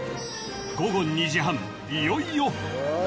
［午後２時半いよいよ］